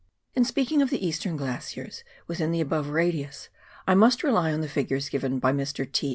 In speaking of the eastern glaciers within the above radius I must rely on the figures given by Mr. T.